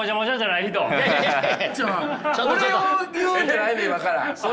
俺を言うんじゃないの今から。